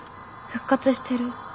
復活してる。